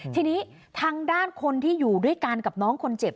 ทีนี้ทางด้านคนที่อยู่ด้วยกันกับน้องคนเจ็บ